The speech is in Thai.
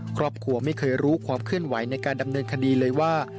ครอบครัวไม่เคยรู้ความเคลื่อนไหวในการดำเนินคดีเลยว่า